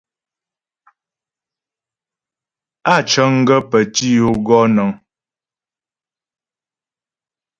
Á cəŋ gaə́ pə́ tǐ yo gɔ nəŋ.